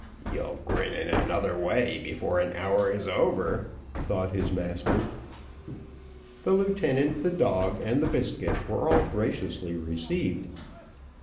"You'll grin in another way before an hour is over," thought his master. The lieutenant, the dog, and the biscuit were all graciously received.